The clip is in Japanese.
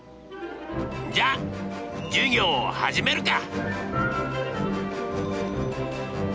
じゃ授業を始めるか。